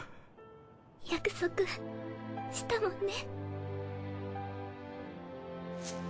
約束したもんね。